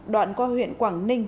đoạn qua huyện quảng ninh